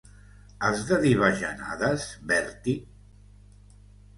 Has de dir bajanades, Bertie?